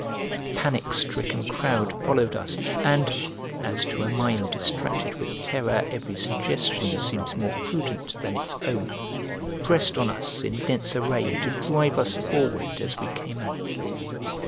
A panic stricken crowd followed us, and (as to a mind distracted with terror every suggestion seems more prudent than its own) pressed on us in dense array to drive us forward as we came out.